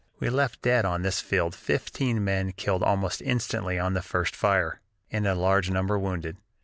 "We left dead on this field fifteen men killed almost instantly on the first fire, and a large number wounded.